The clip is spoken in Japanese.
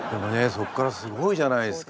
そっからすごいじゃないですか。